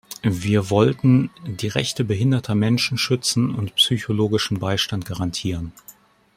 Wir wollten die Rechte behinderter Menschen schützen und psychologischen Beistand garantieren.